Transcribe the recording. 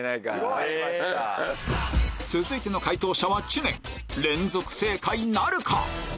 続いての解答者は知念連続正解なるか？